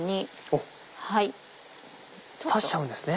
あっ刺しちゃうんですね。